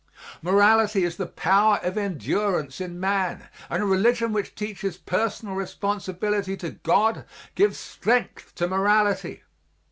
Morality is the power of endurance in man; and a religion which teaches personal responsibility to God gives strength to morality.